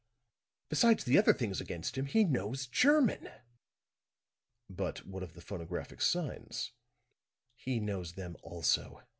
Besides the other things against him, he knows German." "But what of the phonographic signs?" "He knows them also.